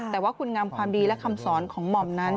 แต่ว่าคุณงามความดีและคำสอนของหม่อมนั้น